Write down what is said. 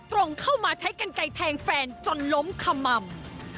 ตรงเข้ามาใช้กันไกลแทงแฟนจนล้มขม่ำ